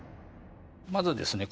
まずですね